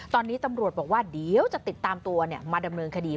ตอนนี้ตำรวจบอกว่าเดี๋ยวจะติดตามตัวมาดำเนินคดี